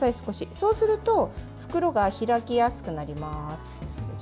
そうすると袋が開きやすくなります。